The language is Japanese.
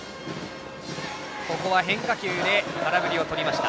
変化球で空振りをとりました。